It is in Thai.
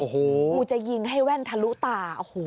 โอ้โหมึงจะยิงให้แว่นทะลุตาโอ้โห